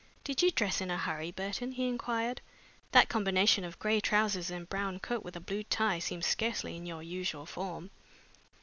"Did you dress in a hurry, Burton?" he inquired. "That combination of gray trousers and brown coat with a blue tie seems scarcely in your usual form."